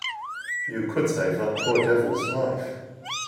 You could save that poor devil's life.